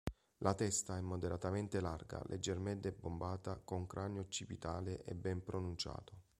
La testa è moderatamente larga, leggermente bombata con cranio occipitale e ben pronunciato.